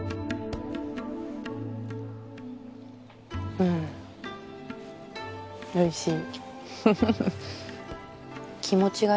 うんおいしい。